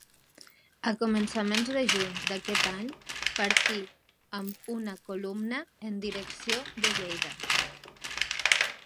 A començaments de juny d'aquest any partí amb una columna en direcció de Lleida.